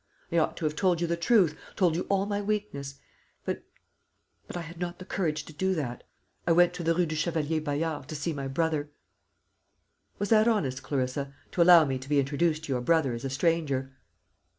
I ought to have told you the truth, told you all my weakness; but but I had not the courage to do that. I went to the Rue du Chevalier Bayard to see my brother." "Was that honest, Clarissa, to allow me to be introduced to your brother as a stranger?"